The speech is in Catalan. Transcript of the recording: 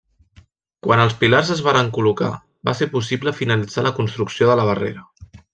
Quan els pilars es varen col·locar va ser possible finalitzar la construcció de la barrera.